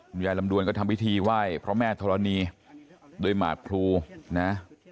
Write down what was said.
หุ่นยายลำดวนก็ทำพิธีไหว้พระแม่ธรณีโดยหมาตรภูมิ